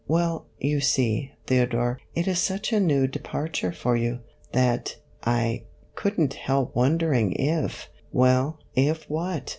"Well, you see, Theodore, it is such a new de parture for you, that I could n't help wonder ing if "" Well, if what